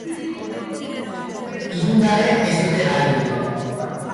Irundarrek ez dute galdu.